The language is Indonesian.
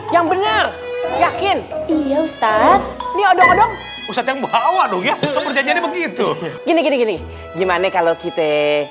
yang bener yakin iya ustadz nih odong odong ustadz yang bawa bawa begitu gini gini gimana kalau kita